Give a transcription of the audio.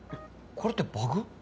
これってバグ？